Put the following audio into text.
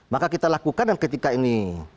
maka kita lakukan dan ketika ini